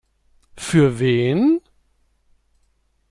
Für wen?